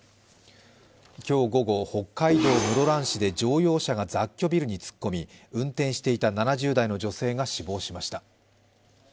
今日午後、北海道室蘭市で乗用車が雑居ビルに突っ込み、運転していた７０代の女性が死亡しました。